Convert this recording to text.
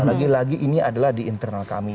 lagi lagi ini adalah di internal kami